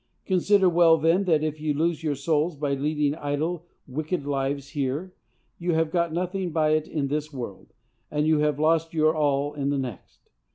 Consider well, then, that if you lose your souls by leading idle, wicked lives here, you have got nothing by it in this world, and you have lost your all in the next.